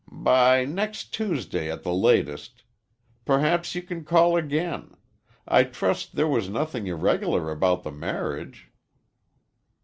"By next Tuesday, at the latest. Perhaps you can call again. I trust there was nothing irregular about the marriage."